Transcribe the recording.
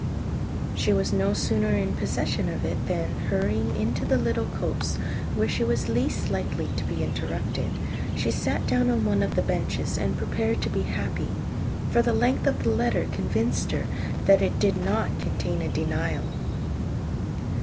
She was no sooner in possession of it, than hurrying into the little copse, where she was least likely to be interrupted, she sat down on one of the benches, and prepared to be happy; for the length of the letter convinced her that it did not contain a denial.